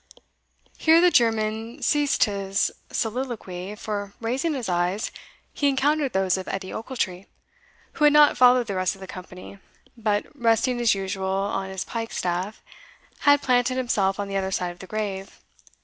Here the German ceased his soliloquy, for, raising his eyes, he encountered those of Edie Ochiltree, who had not followed the rest of the company, but, resting as usual on his pike staff, had planted himself on the other side of the grave.